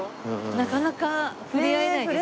なかなか触れ合えないですよね。